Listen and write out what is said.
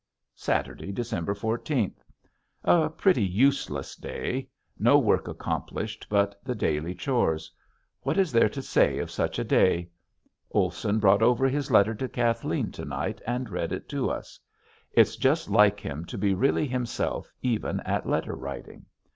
Saturday, December fourteenth. A pretty useless day. No work accomplished but the daily chores. What is there to say of such a day. Olson brought over his letter to Kathleen to night and read it to us. It's just like him to be really himself even at letter writing.